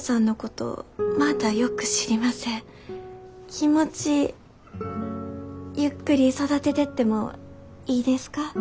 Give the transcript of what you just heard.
気持ちゆっくり育ててってもいいですか？